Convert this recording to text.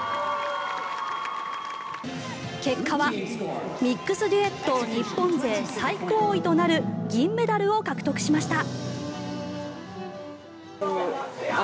結果はミックスデュエット日本勢最高位となる銀メダルを獲得しました。